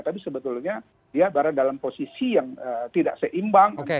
tapi sebetulnya dia berada dalam posisi yang tidak seimbang